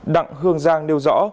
đặng hương giang nêu rõ